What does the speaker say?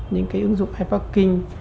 những ứng dụng ipad king